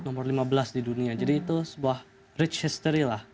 nomor lima belas di dunia jadi itu sebuah rich history lah